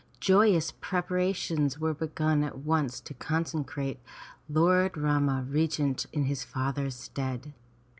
Joyous preparations were begun at once to consecrate Lord Rama regent in his father's stead.